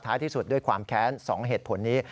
ท้ายที่สุดด้วยความแค้นสองเหตุผลนี้